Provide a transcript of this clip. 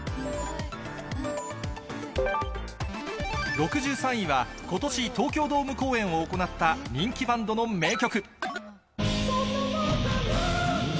６３位は、ことし、東京ドーム公演を行った人気バンドの名曲。